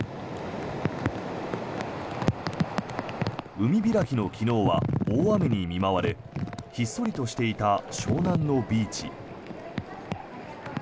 海開きの昨日は大雨に見舞われひっそりとしていた湘南のビーチ。